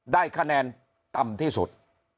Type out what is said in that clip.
ได้คะแนนต่ำที่สุด